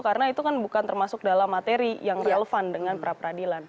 karena itu kan bukan termasuk dalam materi yang relevan dengan pra peradilan